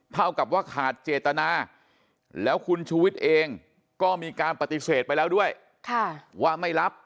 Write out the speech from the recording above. เท่ากับว่าขาดเจตนาแล้วคุณชูวิทย์เองก็มีการปฏิเสธไปแล้วด้วยว่าไม่รับ